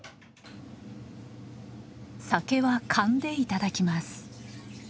酒は燗でいただきます。